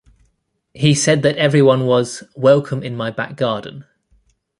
He said that everyone was "welcome in my back garden".